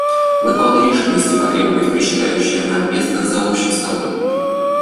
Мы полны решимости потребовать причитающееся нам место за общим столом.